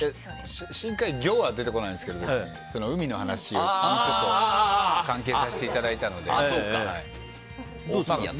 深海魚は出てこないんですけど海の話に関係させていただいたので。